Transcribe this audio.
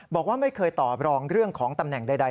บอกว่าไม่เคยตอบรองเรื่องของตำแหน่งใด